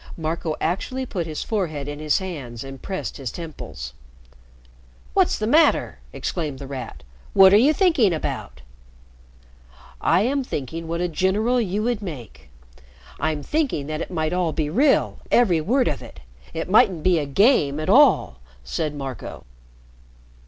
Marco actually put his forehead in his hands and pressed his temples. "What's the matter?" exclaimed The Rat. "What are you thinking about?" "I'm thinking what a general you would make. I'm thinking that it might all be real every word of it. It mightn't be a game at all," said Marco.